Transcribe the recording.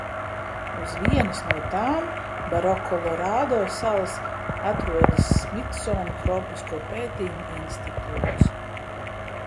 Uz vienas no tām – Barokolorado salas – atrodas Smitsona tropisko pētījumu institūts.